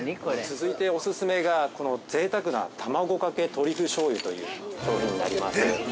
◆続いておすすめが、この贅沢な卵かけトリュフしょうゆという商品になります。